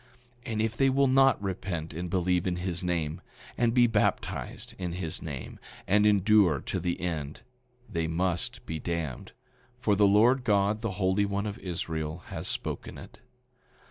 9:24 And if they will not repent and believe in his name, and be baptized in his name, and endure to the end, they must be damned; for the Lord God, the Holy One of Israel, has spoken it.